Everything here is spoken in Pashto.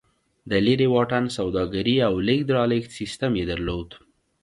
د لېرې واټن سوداګري او لېږد رالېږد سیستم یې درلود